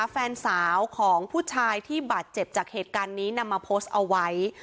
แฟนสาวของผู้ชายที่บาดเจ็บจากเหตุการณ์นี้นำมาโพสต์เอาไว้